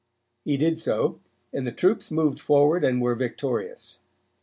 He did so and the troops moved forward and were victorious.